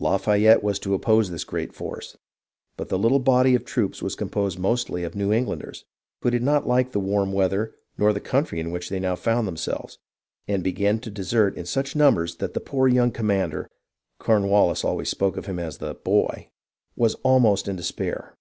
Lafayette was to oppose this great force ; but his little body of troops was composed mostly of New Englanders, who did not like the warm weather nor the country in which they now found themselves, and began to desert in such numbers that the poor young commander (Cornwallis always spoke of him as "the boy ") was almost in despair.